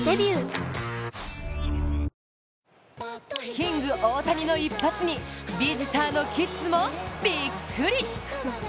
キング・大谷の一発にビジターのキッズもびっくり！